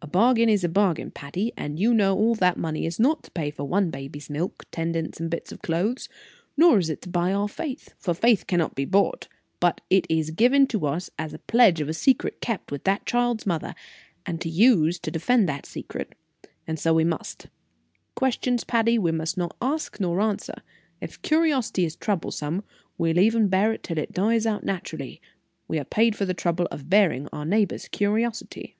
"A bargain is a bargain, Patty, and you know all that money is not to pay for one baby's milk, tendance, and bits of clothes; nor is it to buy our faith, for faith cannot be bought; but it is given us as pledge of a secret kept with that child's mother, and to use to defend that secret; and so we must. Questions, Patty, we must not ask nor answer; if curiosity is troublesome, we'll even bear it till it dies out naturally; we are paid for the trouble of bearing our neighbor's curiosity."